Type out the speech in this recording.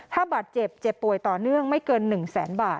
ถ้าบาดเจ็บเจ็บป่วยต่อเนื่องไม่เกิน๑แสนบาท